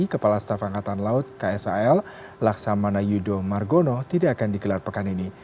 kepala staf angkatan laut ksal laksamana yudo margono tidak akan digelar pekan ini